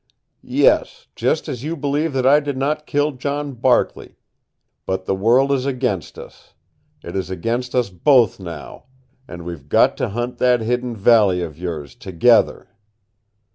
"Yes, just as you believe that I did not kill John Barkley. But the world is against us. It is against us both now. And we've got to hunt that hidden valley of yours together.